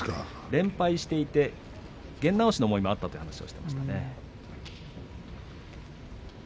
連敗をしていて、験直しの思いもあったという話もしていました。